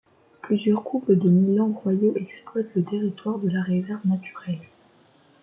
Plusieurs couples de Milans royaux exploitent le territoire de la réserve naturelle.